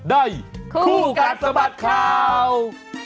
ได้คู่กันสะบัดข่าว